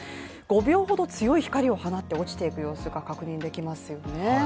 ５秒ほど強い光を放って落ちていく様子が確認できますよね。